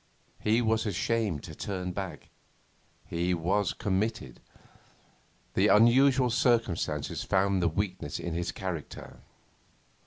He was ashamed to turn back. He was committed. The unusual circumstances found the weakness in his character.